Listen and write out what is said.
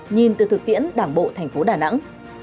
nhìn từ thực tiễn đảng bộ thành phố đà nẵng